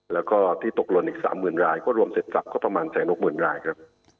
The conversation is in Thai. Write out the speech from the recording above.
แล้วก็ที่ตกหล่นอีก๓๐๐๐รายก็รวมเสร็จสับก็ประมาณ๑๖๐๐๐รายครับ